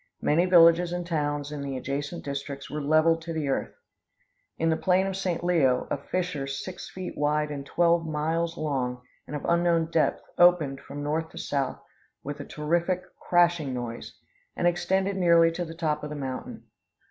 Many villages and towns in the adjacent districts were leveled to the earth. In the plain of St. Lio, a fissure six feet wide and twelve miles long and of unknown depth opened from north to south with a terrific, crashing noise, and extended nearly to the top of the mountain.